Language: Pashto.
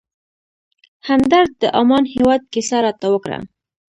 همدرد د عمان هېواد کیسه راته وکړه.